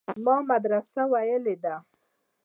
ما مدرسه ويلې ده.